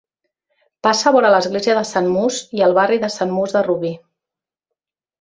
Passa vora l'església de Sant Muç i el barri de Sant Muç de Rubí.